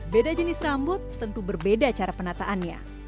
beda jenis rambut tentu berbeda cara penataannya